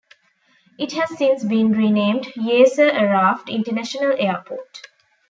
It has since been renamed Yasser Arafat International Airport.